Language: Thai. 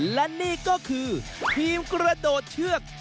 และนี่ก็คือทีมกระโดดเชือก